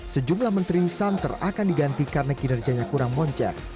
sejumlah menteri santer akan diganti karena kinerjanya kurang moncak